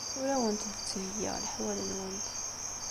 Ur awent-d-ttheyyiɣ leḥwal-nwent.